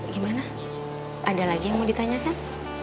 gimana ada lagi yang mau ditanyakan